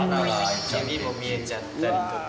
指も見えちゃったりとか。